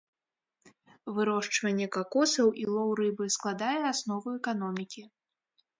Вырошчванне какосаў і лоў рыбы складае аснову эканомікі.